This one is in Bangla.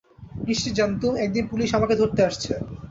নিশ্চিত জানতুম একদিন পুলিস আমাকে ধরতে আসছে।